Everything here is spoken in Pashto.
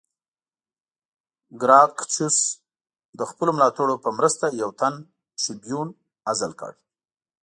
ګراکچوس د خپلو ملاتړو په مرسته یو تن ټربیون عزل کړ